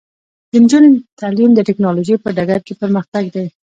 د نجونو تعلیم د ټیکنالوژۍ په ډګر کې پرمختګ دی.